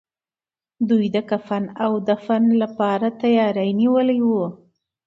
دوی د کفن او دفن لپاره تياری نيولی و.